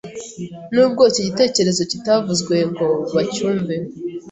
Nubwo icyo gitekerezo kitavuzwe ngo bacyumve,